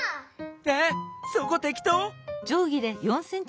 えっそこてきとう？